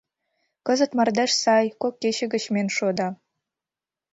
Кызыт мардеж сай, кок кече гыч миен шуыда.